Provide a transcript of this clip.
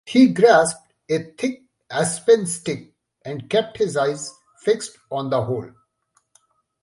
He grasped a thick aspen stick and kept his eyes fixed on the hole.